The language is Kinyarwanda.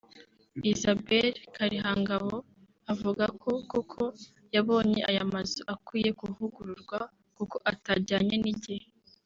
Isabelle Karihangabo avuga ko koko yabonye aya mazu akwiye kuvugururwa kuko atajyanye n’igihe